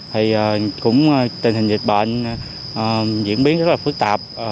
thì cũng tình hình dịch bệnh diễn biến rất là phức tạp